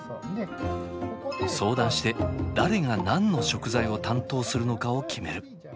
相談して誰が何の食材を担当するのかを決める。